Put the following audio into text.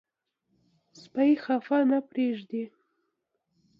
سپي خفه نه پرېښوئ.